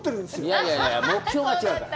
いやいや、目標が違うから。